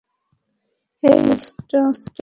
হেই, ফ্যাসটস।